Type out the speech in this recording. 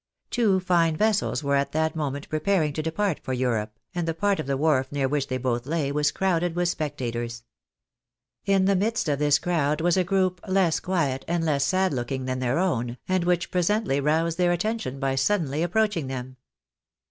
Two fine vessels were at that moment preparing to depart for Europe, and the part of the wharf near which they both lay was crowded with spectators. In the midst of this crowd was a group, less quiet, and less sad looking than their own, and which presently roused their attention by suddenly approaching them.